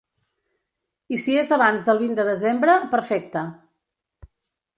I si és abans del vint de desembre, perfecte.